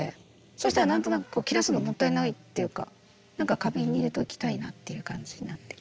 そうしたら何となく切らすのもったいないっていうか何か花瓶に入れときたいなっていう感じになって。